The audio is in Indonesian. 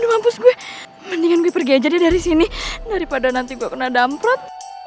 aduh mampus gue mendingan gue pergi aja deh dari sini daripada nanti gue kena damprot